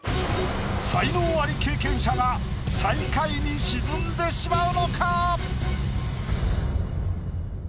才能アリ経験者が最下位に沈んでしまうのか？